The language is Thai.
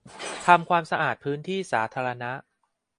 ทำความสะอาดที่สาธารณะ